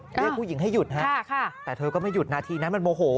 เรียกผู้หญิงให้หยุดฮะแต่เธอก็ไม่หยุดนาทีนั้นมันโมโห